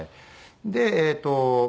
でえっと